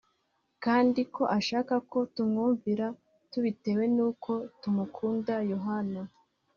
kandi ko ashaka ko tumwumvira tubitewe n uko tumukunda Yohana